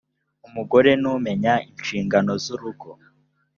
umugore numenya ishingano zurugo.